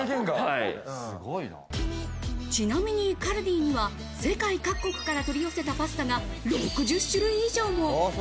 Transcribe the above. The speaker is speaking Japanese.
ちなみにＫＡＬＤＩには世界各国から取り寄せたパスタが６０種類以上も。